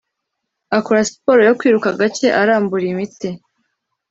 akora siporo yo kwiruka gake arambura imitsi